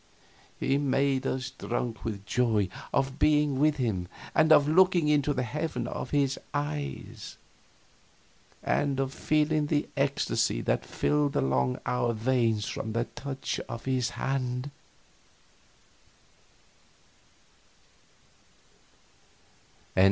He made us drunk with the joy of being with him, and of looking into the heaven of his eyes, and of feeling the ecstasy that thrilled along our veins from the touch of his hand.